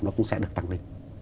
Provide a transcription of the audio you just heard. nó cũng sẽ được tăng lên